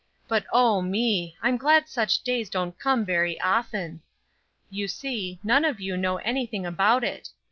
But, oh, me! I'm glad such days don't come very often. You see, none of you know anything about it.